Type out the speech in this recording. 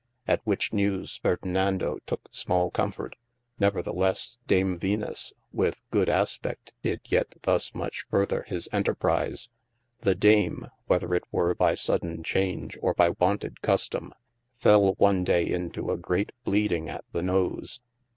At which newes Ferdinando tooke small comfort; neverthe lesse Dame Venus with good aspe6t did yet thus much furder his enterprise. The Dame (whether it were by sodaine chaunge, or of wonted custome) fell one day into a greate bleeding at the nose.